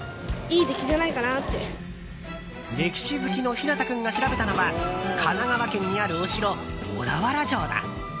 歴史好きの陽太君が調べたのは神奈川県にあるお城、小田原城だ。